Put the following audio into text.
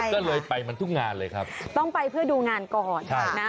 ก็เลยไปมันทุกงานเลยครับต้องไปเพื่อดูงานก่อน